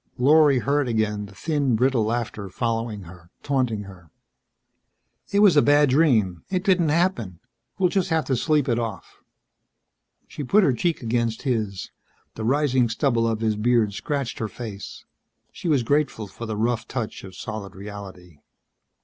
Lorry heard again the thin, brittle laughter following her, taunting her. "It was a bad dream. It didn't happen. We'll just have to sleep it off." She put her cheek against his. The rising stubble of his beard scratched her face. She was grateful for the rough touch of solid reality.